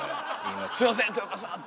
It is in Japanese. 「すいません豊川さん」って。